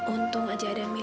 untung aja ayah kamu nangis kan